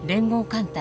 艦隊